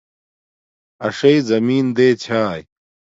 اݽݵ زمین دے چھاݵ